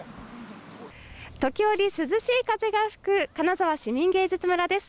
時折、涼しい風が吹く金沢市民芸術村です。